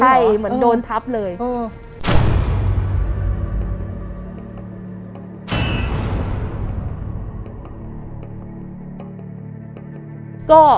ใช่เหมือนโดนทับเลยเออ